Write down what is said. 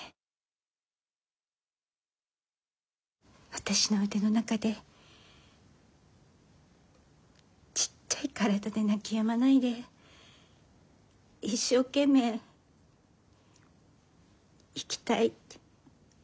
私の腕の中でちっちゃい体で泣きやまないで一生懸命生きたいって生きたいって。